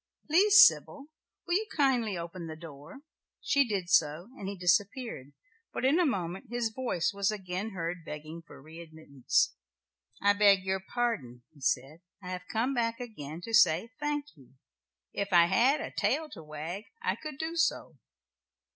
"Please, Sybil, will you kindly open the door?" She did so, and he disappeared, but in a moment his voice was again heard begging for re admittance. "I beg your pardon," he said, "I have come back again to say 'thank you.' If I had a tail to wag I could do so."